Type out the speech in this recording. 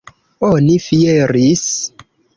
Oni fieris.